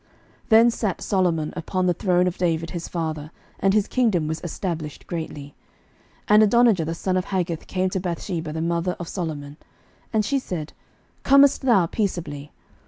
11:002:012 Then sat Solomon upon the throne of David his father; and his kingdom was established greatly. 11:002:013 And Adonijah the son of Haggith came to Bathsheba the mother of Solomon. And she said, Comest thou peaceably?